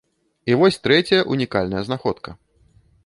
І вось трэцяя ўнікальная знаходка.